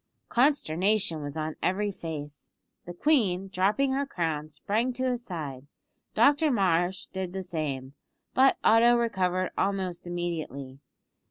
Consternation was on every face. The queen, dropping her crown, sprang to his side, Dr Marsh did the same, but Otto recovered almost immediately.